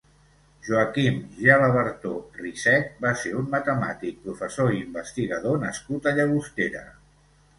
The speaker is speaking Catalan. Joaquim Gelabertó Rissech va ser un matemàtic, professor i investigador nascut a Llagostera.